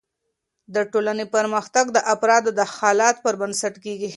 د ټولني پرمختګ د افرادو د حالت پر بنسټ کیږي.